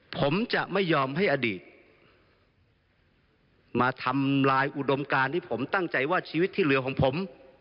ผมจะไม่ยอมให้อดีตมาทำลายอุดมการที่ผมตั้งใจว่าชีวิตที่เหลือของผม